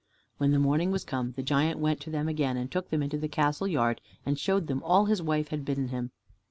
When the morning was come, the giant went to them again and took them into the castle yard, and showed them all his wife had bidden him.